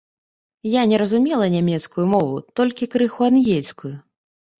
Я не разумела нямецкую мову, толькі крыху ангельскую.